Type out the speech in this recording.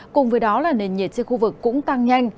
cùng với đó là nền nhiệt trên khu vực cũng tăng nhanh